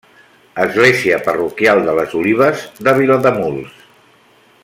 Església parroquial de Les Olives, de Vilademuls.